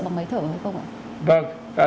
bằng máy thở hay không ạ